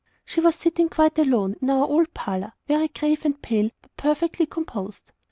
She was sitting quite alone, in our old parlour, very grave and pale, but perfectly composed.